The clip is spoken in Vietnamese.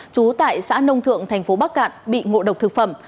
trú tại xã nông thượng tp bắc cạn bị ngộ độc thực phẩm